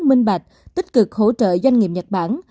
minh bạch tích cực hỗ trợ doanh nghiệp nhật bản